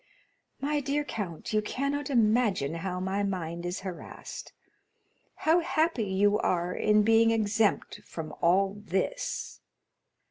My dear count, you cannot imagine how my mind is harassed. How happy you are in being exempt from all this!"